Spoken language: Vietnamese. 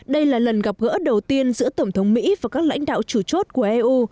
đây là lần gặp gỡ đầu tiên giữa tổng thống mỹ và các lãnh đạo chủ chốt của eu